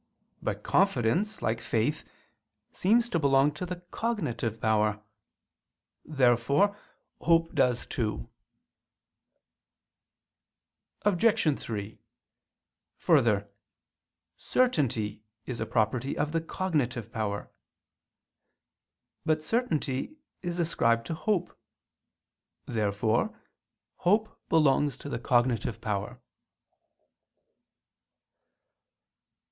But confidence, like faith, seems to belong to the cognitive power. Therefore hope does too. Obj. 3: Further, certainty is a property of the cognitive power. But certainty is ascribed to hope. Therefore hope belongs to the cognitive power.